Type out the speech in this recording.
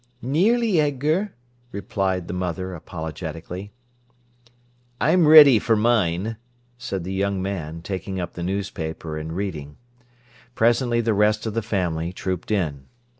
"Nearly, Edgar," replied the mother apologetically. "I'm ready for mine," said the young man, taking up the newspaper and reading. Presently the rest of the family trooped in.